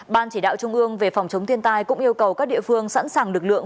ban chỉ đạo trung ương về phòng chống thiên tai cũng yêu cầu các địa phương sẵn sàng lực lượng